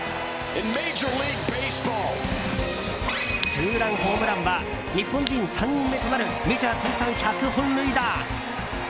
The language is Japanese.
ツーランホームランは日本人３人目となるメジャー通算１００本塁打。